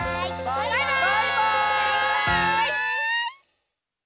「バイバーイ！」